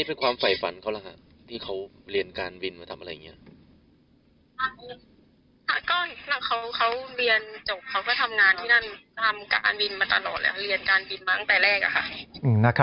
ทำการบินมาตลอดเลยเขาเรียนการบินมาตั้งแต่แรก